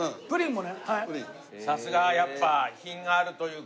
さすがやっぱ品があるというか。